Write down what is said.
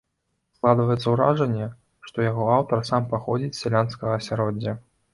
Складваецца ўражанне, што яго аўтар сам паходзіць з сялянскага асяроддзя.